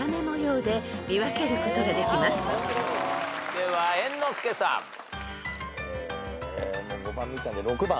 では猿之助さん。えもう５番見たんで６番。